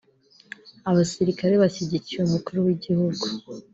Abasirikare bashigikiye umukuru w'igihugu